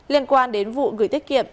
liên quan đến vụ gửi tiết kiệm